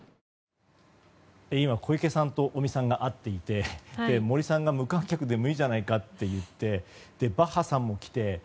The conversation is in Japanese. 今、小池さんと尾身さんが会っていて森さんが、無観客でもいいじゃないかと言ってバッハさんも来て